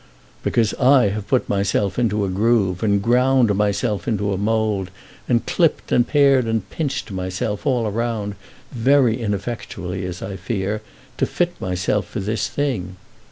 "Because I have put myself into a groove, and ground myself into a mould, and clipped and pared and pinched myself all round, very ineffectually, as I fear, to fit myself for this thing.